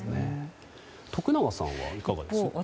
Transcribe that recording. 徳永さんはいかがですか？